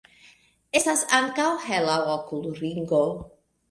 Estas ankaŭ hela okulringo.